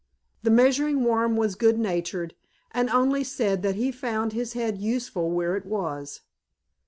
The Measuring Worm was good natured, and only said that he found his head useful where it was.